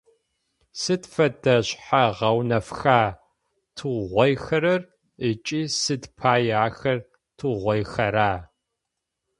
Сыд фэдэ шъхьэ-гъэунэфха тыугъоихэрэр ыкӏи сыд пае ахэр тыугъоихэра?